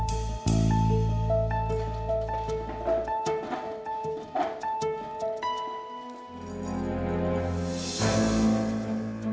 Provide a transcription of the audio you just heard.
dek aku mau ke sana